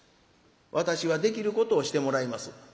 私はできることをしてもらいます。